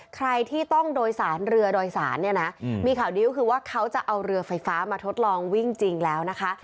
ใครที่ต้องโดยสารเรือโดยสารเนี่ยนะมีข่าวดีก็คือว่าเขาจะเอาเรือไฟฟ้ามาทดลองวิ่งจริงแล้วนะคะ